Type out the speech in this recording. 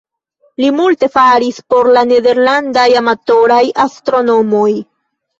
Li multe faris por la nederlandaj amatoraj astronomoj.